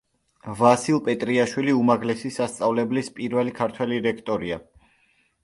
ვასილ პეტრიაშვილი უმაღლესი სასწავლებლის პირველი ქართველი რექტორია.